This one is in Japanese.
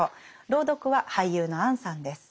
朗読は俳優の杏さんです。